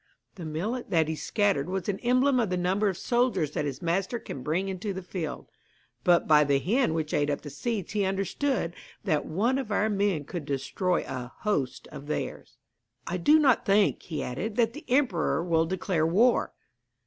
The millet that he scattered was an emblem of the number of soldiers that his master can bring into the field; but by the hen which ate up the seed he understood that one of our men could destroy a host of theirs.' 'I do not think,' he added, 'that the emperor will declare war.'